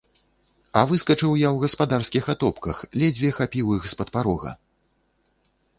А выскачыў я ў гаспадарскіх атопках, ледзьве хапіў іх з-пад парога.